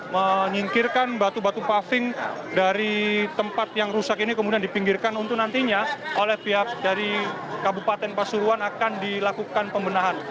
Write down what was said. menyingkirkan batu batu paving dari tempat yang rusak ini kemudian dipinggirkan untuk nantinya oleh pihak dari kabupaten pasuruan akan dilakukan pembenahan